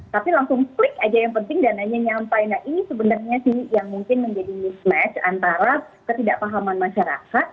tapi langsung klik aja yang penting dananya nyampe nah ini sebenarnya sih yang mungkin menjadi mismatch antara ketidakpahaman masyarakat